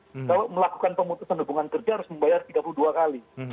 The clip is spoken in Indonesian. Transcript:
kalau melakukan pemutusan hubungan kerja harus membayar tiga puluh dua kali